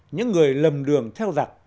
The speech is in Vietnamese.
những người lầm đường theo dạc